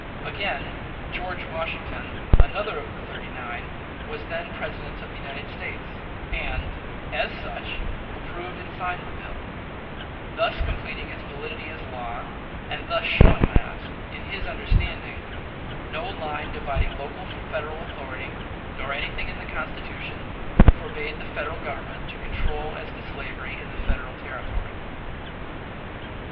Again: George Washington, another of the "thirty nine," was then President of the United States, and, as such, approved and signed the bill; thus completing its validity as a law, and thus showing that, in his understanding, no line dividing local from Federal authority, nor anything in the Constitution, forbade the Federal Government to control as to slavery in Federal territory.